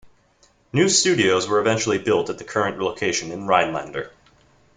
New studios were eventually built at the current location in Rhinelander.